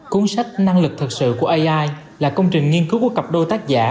cuốn sách năng lực thực sự của ai là công trình nghiên cứu của cặp đôi tác giả